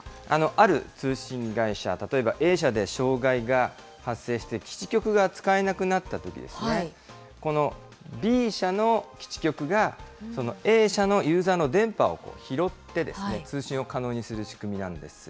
ある通信会社、例えばＡ社で障害が発生して、基地局が使えなくなったときですね、このＢ社の基地局が、Ａ社のユーザーの電波を拾って、通信を可能にする仕組みなんです。